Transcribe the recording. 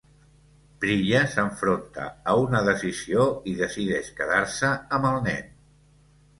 Priya s'enfronta a una decisió i decideix quedar-se amb el nen.